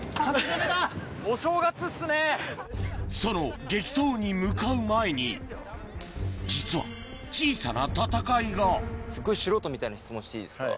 その激闘に向かう前に実は小さな戦いがすっごい素人みたいな質問していいですか？